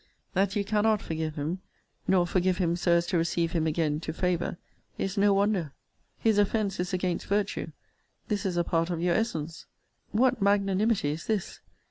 That you cannot forgive him, not forgive him so as to receive him again to favour, is no wonder. His offence is against virtue: this is a part of your essence. What magnanimity is this!